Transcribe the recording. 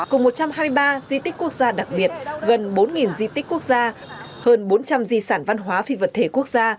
cùng một trăm hai mươi ba di tích quốc gia đặc biệt gần bốn di tích quốc gia hơn bốn trăm linh di sản văn hóa phi vật thể quốc gia